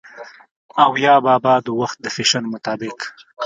او يا بابا د وخت د فېشن مطابق